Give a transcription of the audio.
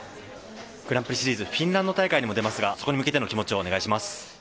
グランプリシリーズフィンランド大会にも出ますがそこに向けての気持ちをお願いします。